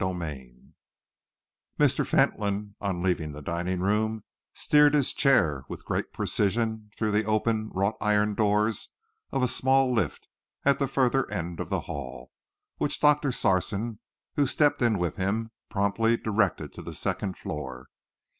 CHAPTER XIV Mr. Fentolin, on leaving the dining room, steered his chair with great precision through the open, wrought iron doors of a small lift at the further end of the hall, which Doctor Sarson, who stepped in with him, promptly directed to the second floor.